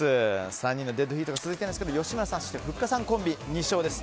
３人のデッドヒートが続いているんですが吉村さん、そしてふっかさんコンビ２勝です。